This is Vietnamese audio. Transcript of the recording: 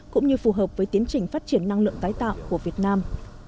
cũng như phù hợp với tiến trình phát triển năng lượng tái tạo của việt nam